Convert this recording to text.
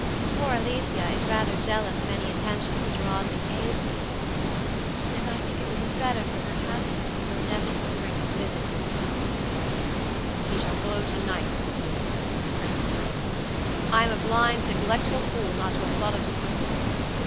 "Poor Alicia is rather jealous of any attention Mr. Audley pays me, andandI think it would be better for her happiness if your nephew were to bring his visit to a close." "He shall go to night, Lucy," exclaimed Sir Michael. "I am a blind, neglectful fool not to have thought of this before.